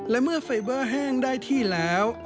และเมื่อไฟเบอร์แห้งได้ที่แล้ว